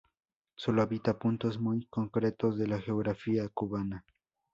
Sólo habita puntos muy concretos de la geografía cubana.